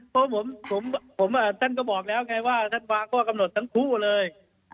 ผมเจ้าก็บอกแล้วค่ะว่าเจ้าฟ้าก็กำหนดทั้งคู่เลย